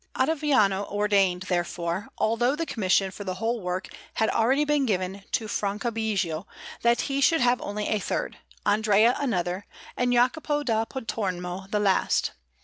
Ottaviano ordained, therefore, although the commission for the whole work had already been given to Franciabigio, that he should have only a third, Andrea another, and Jacopo da Pontormo the last.